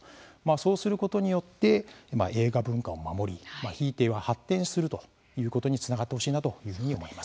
そうすることによって映画文化を守り、ひいては発展するということにつながってほしいなというふうに思います。